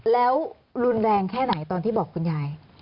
แล้วรุนแรงแค่ไหนตอนที่บอกคุณยาย